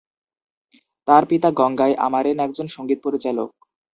তাঁর পিতা গঙ্গাই আমারেন একজন সঙ্গীত পরিচালক।